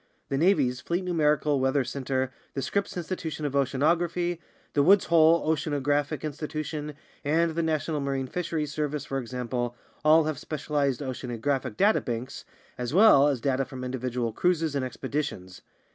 The Navy's Fleet Numerical Weather Central, the Scripps Institution of Oceanography, the Woods Hole Oceanographic Institution, and the National Marine Fisheries Service, for example, all have specialized oceanographic data banks, as well as data from individual cruises and expeditions.